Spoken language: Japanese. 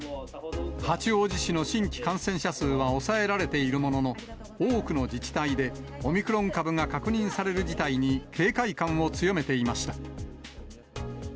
八王子市の新規感染者数は抑えられているものの、多くの自治体でオミクロン株が確認される事態に警戒感を強めていました。